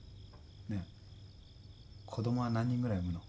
ねぇ子供は何人ぐらい産むの？